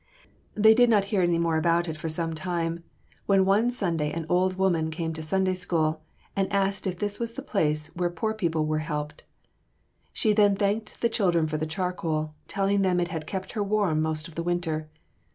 They did not hear any more about it for some time, when one Sunday an old woman came to Sunday School, and asked if this was the place where poor people were helped. She then thanked the children for the charcoal, telling them it had kept her warm most of the winter.